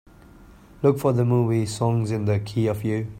Look for the movie Songs in the Key of You